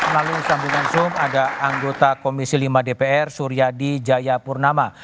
melalui sambungan zoom ada anggota komisi lima dpr suryadi jayapurnama